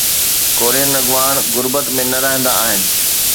Korean اڳواڻ غربت ۾ نه رهندا آهن.